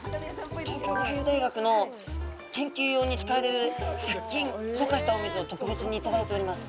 東京海洋大学の研究用に使われる殺菌、ろ過したお水を特別にいただいております。